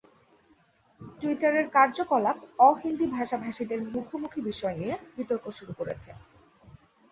টুইটারের কার্যকলাপ অ-হিন্দি ভাষাভাষীদের মুখোমুখি বিষয় নিয়ে বিতর্ক শুরু করেছে।